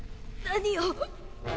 何を！